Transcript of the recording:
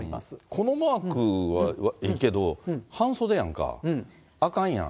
このマークはいいけど、半袖やんか、あかんやん。